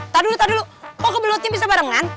tadulu tadulu kok kebeletnya bisa barengan